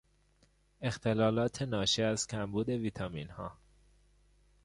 اختلالات ناشی از کمبود ویتامینها